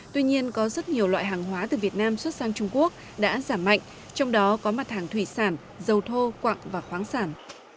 tuy nhiên có rất nhiều loại hàng hóa từ việt nam xuất sang trung quốc đã giảm mạnh trong đó có mặt hàng thủy sản dầu thô quặng và khoáng sản